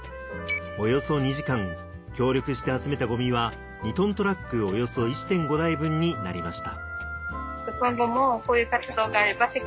およそ２時間協力して集めたゴミは２ｔトラックおよそ１．５台分になりました